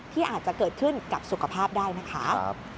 ที่อาจจะเกิดขึ้นกับสุขภาพได้นะคะ